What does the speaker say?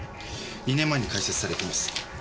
２年前に開設されています。